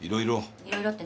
いろいろって何？